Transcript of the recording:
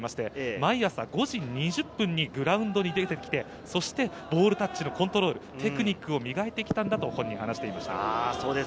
毎朝５時２０分にグラウンドに出てきて、ボールタッチのコントロール、テクニックを磨いて来たんだと話しています。